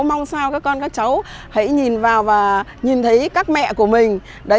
mong sao các con các cháu hãy nhìn vào và nhìn thấy các mẹ của mình